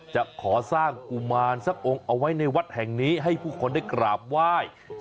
จะขอสร้างกุมารสักองค์เอาไว้ในวัดแห่งนี้ให้ผู้คนได้กราบไหว้